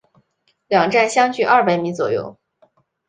两站相距二百米左右。